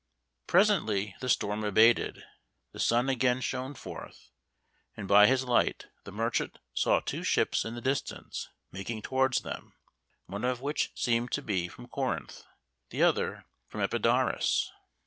Presently the storm abated; the sun again shone forth, and by his light the merchant saw two ships in the distance, making towards them, one of which seemed to be from Corinth, the other from Epidaurus.